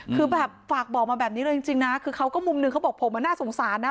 คือแบบฝากบอกมาแบบนี้เลยจริงนะคือเขาก็มุมหนึ่งเขาบอกผมน่าสงสารนะ